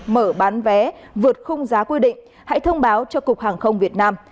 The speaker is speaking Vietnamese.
mở bán vé vượt khung giá quy định hãy thông báo cho cục hàng không việt nam